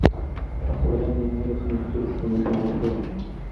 وَلَا نِهَايَةٌ مَحْدُودَةٌ يَقْنَعُ بِهَا